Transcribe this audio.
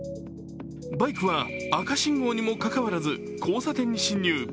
バイクは赤信号にもかかわらず交差点に進入。